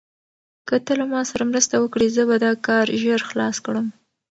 که ته له ما سره مرسته وکړې، زه به دا کار ژر خلاص کړم.